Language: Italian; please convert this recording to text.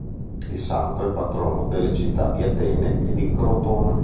Il santo è patrono delle città di Atene e di Crotone.